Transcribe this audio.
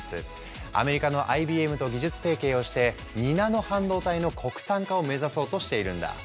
アメリカのＩＢＭと技術提携をして２ナノ半導体の国産化を目指そうとしているんだ。